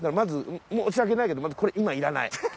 ず申し訳ないけどまずこれ今いらない。